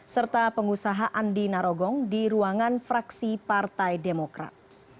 serta pengusaha andi narogong di ruangan fraksi partai demokrat